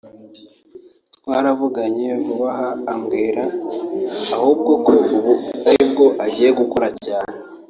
twaravuganye vub’aha ambwira ahubwo ko ubu ari bwo agiye gukora cyane